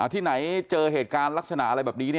ที่ไหนเจอเหตุการณ์ลักษณะอะไรแบบนี้